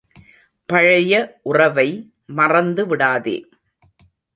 பழைய உறவை மறந்து விடாதே.